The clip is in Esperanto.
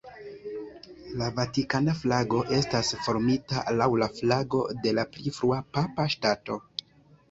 La vatikana flago estas formita laŭ la flago de la pli frua Papa Ŝtato.